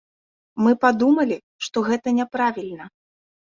Мы падумалі, што гэта няправільна.